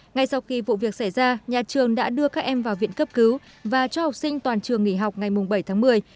ngay sau khi vụ việc xảy ra nhà trường đã đưa các em vào viện cấp cứu và cho học sinh toàn trường nghỉ học ngày bảy tháng một mươi